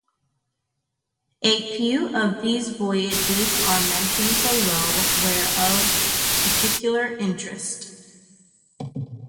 A few of these voyages are mentioned below where of particular interest.